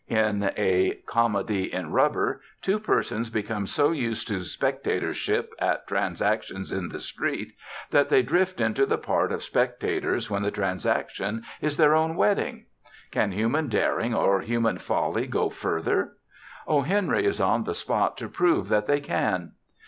In a "Comedy in Rubber," two persons become so used to spectatorship at transactions in the street that they drift into the part of spectators when the transaction is their own wedding. Can human daring or human folly go further? O. Henry is on the spot to prove that they can.